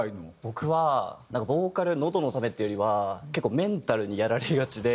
僕はボーカルのどのためっていうよりは結構メンタルにやられがちで。